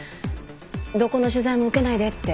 どこの取材も受けないでって。